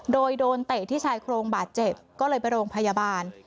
โดยโดนเตะที่ชายโครงบาดเจ็บก็เลยไปโรงพยาบาล